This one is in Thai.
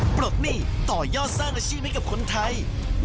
ปลดหนี้ต่อยอดสร้างอาชีพให้กับคนไทย